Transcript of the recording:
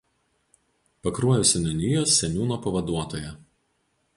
Pakruojo seniūnijos seniūno pavaduotoja.